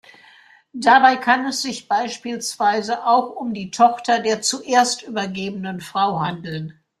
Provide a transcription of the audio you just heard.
Dabei kann es sich beispielsweise auch um die Tochter der zuerst übergebenen Frau handeln.